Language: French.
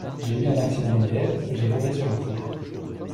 J'ai eu un accident hier, j'ai roulé sur un clou.